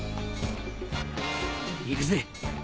行くぜ。